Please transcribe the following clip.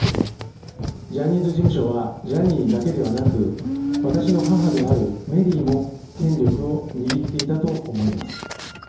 ジャニーズ事務所はジャニーだけではなく私の母であるメリーも権力を握っていたと思います。